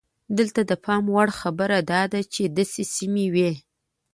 دلته د پام وړ خبره دا ده چې داسې سیمې وې.